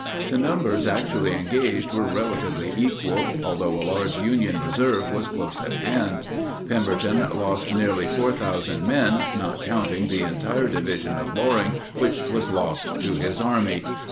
The numbers actually engaged were relatively equal, although a large Union reserve was close at hand. Pemberton lost nearly 4,000 men, not counting the entire division of Loring which was lost to his army.